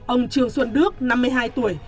ông trường xuân đức năm mươi hai tuổi